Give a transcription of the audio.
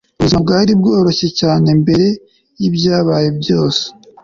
Ubuzima bwari bworoshye cyane mbere yibyabaye byose